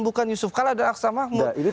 bukan yusuf kalla dan aksa mahmud